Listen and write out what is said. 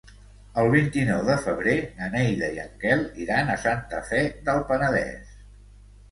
El vint-i-nou de febrer na Neida i en Quel iran a Santa Fe del Penedès.